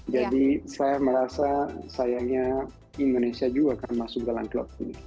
jadi saya merasa sayangnya indonesia juga akan masuk dalam klub ini